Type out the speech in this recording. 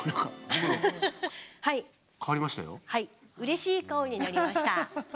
うれしい顔になりました。